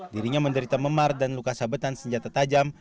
dirinya menderita memar dan luka sabetan senjata tajam